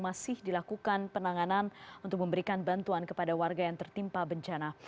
masih dilakukan penanganan untuk memberikan bantuan kepada warga yang tertimpa bencana